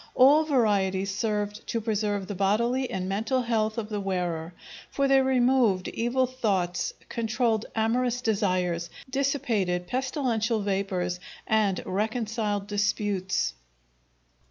All varieties served to preserve the bodily and mental health of the wearer, for they removed evil thoughts, controlled amorous desires, dissipated pestilential vapors, and reconciled disputes.